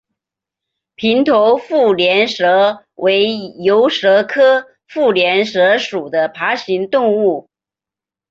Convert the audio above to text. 平头腹链蛇为游蛇科腹链蛇属的爬行动物。